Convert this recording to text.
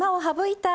はい！